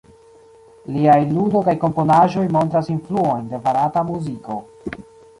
Liaj ludo kaj komponaĵoj montras influojn de barata muziko.